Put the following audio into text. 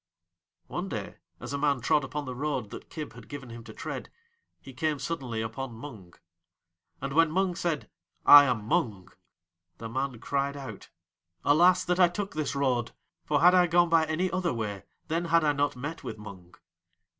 One day as a man trod upon the road that Kib had given him to tread he came suddenly upon Mung. And when Mung said: "I am Mung!" the man cried out: "Alas, that I took this road, for had I gone by any other way then had I not met with Mung."